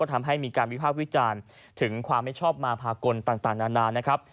ทำให้มีการวิภาควิจารณ์ถึงความไม่ชอบมาพากลต่างนานนะครับ